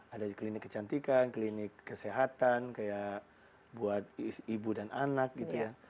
ada klinik kecantikan klinik kesehatan kayak buat ibu dan anak gitu ya